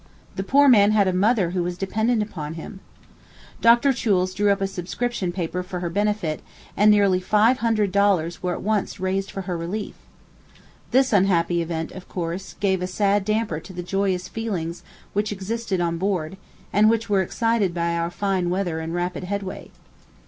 The poor man had a mother who was dependent upon him. Dr. Choules drew up a subscription paper for her benefit, and nearly five hundred dollars were at once raised for her relief. This unhappy event, of course, gave a sad damper to the joyous feelings which existed on board, and which were excited by our fine weather and rapid headway.